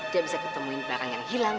dia bisa ketemuin barang yang hilang